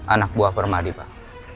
anak buah permadi pak